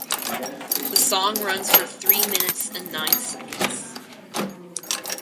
The song runs for three minutes and nine seconds.